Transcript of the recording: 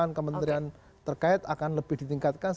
dan kementerian terkait akan lebih ditingkatkan